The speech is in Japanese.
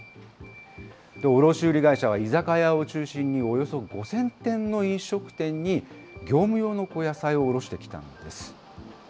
卸売り会社は居酒屋を中心におよそ５０００店の飲食店に、業務用の野菜を卸してきたんです。